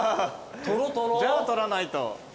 じゃあ撮らないと。